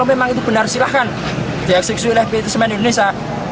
dikeksiksikan oleh pt semen indonesia